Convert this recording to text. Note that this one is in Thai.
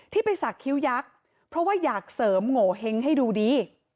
ที่ไปสักคิ้วยักษ์เพราะว่าอยากเสริมโงเห้งให้ดูดี